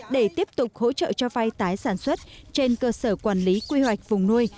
để tiếp tục hỗ trợ cho vay tái sản xuất trên cơ sở quản lý quy hoạch vùng nuôi